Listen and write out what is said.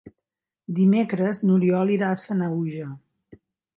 Dimecres n'Oriol irà a Sanaüja.